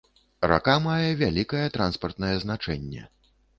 Рака мае вялікае транспартнае значэнне.